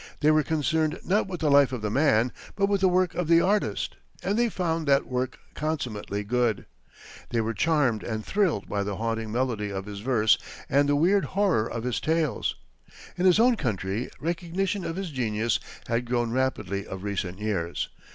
They were concerned not with the life of the man, but with the work of the artist, and they found that work consummately good. They were charmed and thrilled by the haunting melody of his verse and the weird horror of his tales. In his own country, recognition of his genius has grown rapidly of recent years.